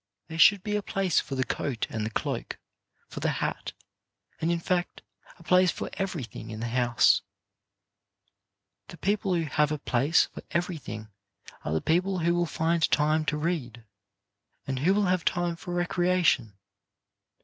There should be a place for the coat and the cloak, for the hat, and, in fact, a place for everything in the house. SYSTEM IN HOME LIFE 85 The people who have a place for everything are the people who will find time to read, and who will have time for recreation.